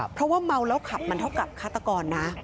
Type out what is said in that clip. เพราะว่าเมาแล้วขับมันเท่ากับฆาตกรนะ